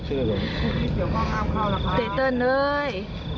เตรตเติ้ลเลย